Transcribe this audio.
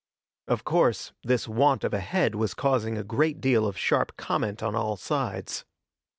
Of course, this want of a head was causing a great deal of sharp comment on all sides.